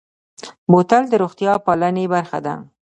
بوتل د روغتیا پالنې برخه ده.